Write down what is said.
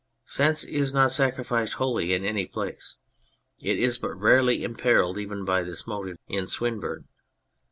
Sense is not sacrificed wholly in any place, it is but rarely imperilled even by this motive in Swinburne.